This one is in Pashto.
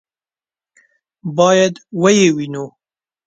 باید ویې وینو.